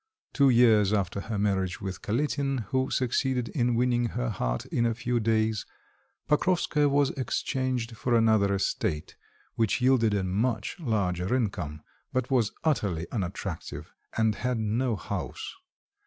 Two years after her marriage with Kalitin, who succeeded in winning her heart in a few days, Pokrovskoe was exchanged for another estate, which yielded a much larger income, but was utterly unattractive and had no house.